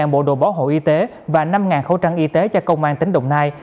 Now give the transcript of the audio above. một mươi bộ đồ bảo hộ y tế và năm khẩu trang y tế cho công an tỉnh đồng nai